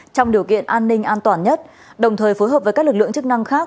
trong điều kiện an ninh an toàn nhất đồng thời phối hợp với các lực lượng chức năng khác